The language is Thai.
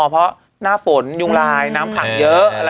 เพราะหน้าฝนยุงลายน้ำขังเยอะ